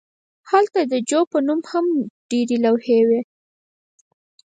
هلته د جو په نوم هم ډیرې لوحې وې